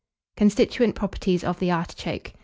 CONSTITUENT PROPERTIES OF THE ARTICHOKE.